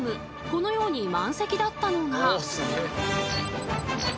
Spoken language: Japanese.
このように満席だったのが。